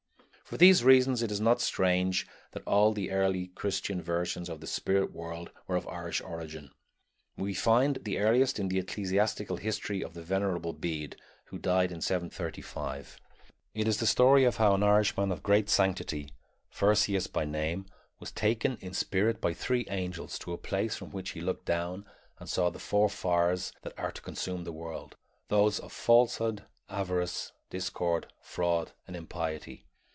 For these reasons it is not strange that all the earliest Christian visions of the spirit world were of Irish origin. We find the earliest in the Ecclesiastical History of the "Venerable Bede," who died in 735. It is the story of how an Irishman of great sanctity, Furseus by name, was taken in spirit by three angels to a place from which he looked down and saw the four fires that are to consume the world: those of falsehood, avarice, discord, fraud and impiety.